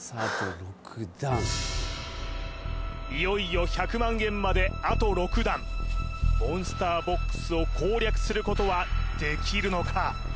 いよいよ１００万円まであと６段モンスターボックスを攻略することはできるのか？